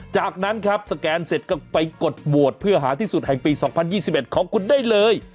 จากนั้นครับสแกนเสร็จก็ไปกดโหวตเพื่อหาที่สุดแห่งปี๒๐๒๑ของคุณได้เลย